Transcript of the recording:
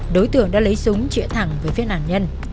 đối tượng đã lấy súng chữa thẳng về phía nạn nhân